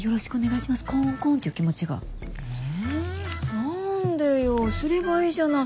何でよすればいいじゃない。